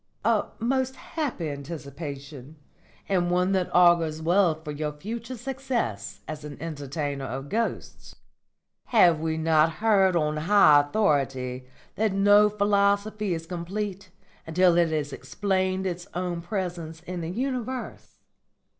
"A most happy anticipation, and one that augurs well for your future success as an entertainer of ghosts. Have we not heard on high authority that no philosophy is complete until it has explained its own presence in the universe?